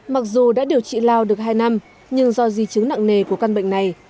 mặc dù đã điều trị lao được hai năm nhưng do di chứng nặng nề của căn bệnh này